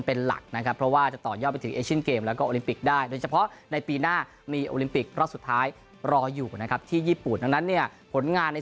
เป็นหลักนะครับเพราะว่าจะต่อยอดไปถึง